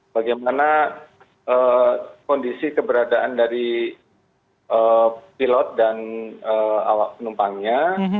bagaimana kondisi keberadaan dari pilot dan awak penumpangnya